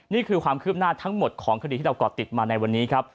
นี่คือความคืบหน้าทั้งหมดของคดีที่เราก่อติดมาในวันนี้ครับ